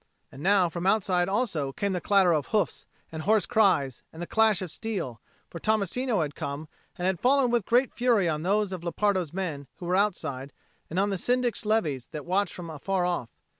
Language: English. And now from outside also came the clatter of hoofs and hoarse cries and the clash of steel; for Tommasino had come, and had fallen with great fury on those of Lepardo's men who were outside and on the Syndic's levies that watched from afar off.